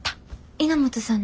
稲本さんの？